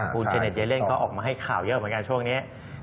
คุณเจเน็ตเยเลนก็ออกมาให้ข่าวเยอะเหมือนกันช่วงนี้